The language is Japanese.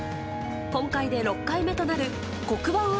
今回で６回目となる黒板